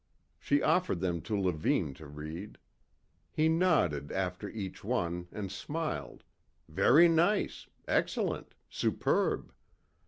She offered them to Levine to read. He nodded after each one and smiled, "Very nice. Excellent. Superb."